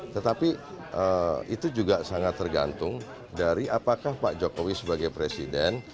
tetapi itu juga sangat tergantung dari apakah pak jokowi sebagai presiden